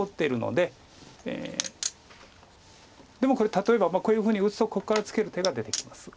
でもこれ例えばこういうふうに打つとここからツケる手が出てきます。